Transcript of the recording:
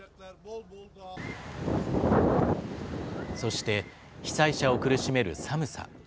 そして被災者を苦しめる寒さ。